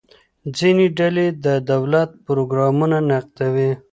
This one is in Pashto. ځینې ډلې د دولت پروګرامونه نقدوي.